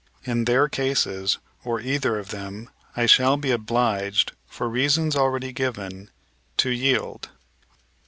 In their cases, or either of them, I shall be obliged, for reasons already given; to yield."